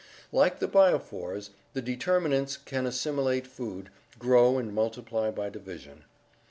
Like the biophors the deter minants can assimilate food, grow and multiply by division.